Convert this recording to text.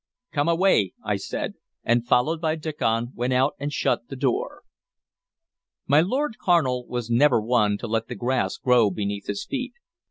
"Come away!" I said, and, followed by Diccon, went out and shut the door. My Lord Carnal was never one to let the grass grow beneath his feet.